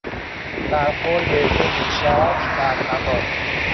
برخورد دو موشک در هوا